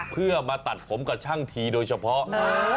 เพื่อมาตัดผมกับช่างทีโดยเฉพาะ